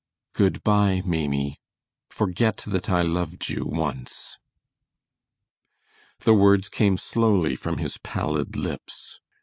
"Good by, Maimie; forget that I loved you once." The words came slowly from his pallid lips.